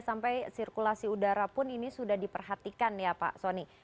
sampai sirkulasi udara pun ini sudah diperhatikan ya pak soni